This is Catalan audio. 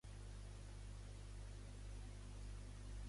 Què es va sentir obligat a fer, el bescuiter?